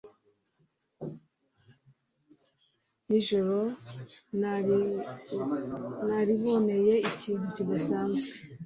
Nijoro nariboneye ibintu bidasanzwe.